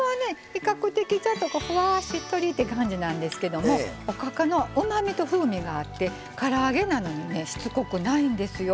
比較的ちょっとふわっしっとりって感じなんですけどおかかのうまみと風味があってから揚げなのにねしつこくないんですよ。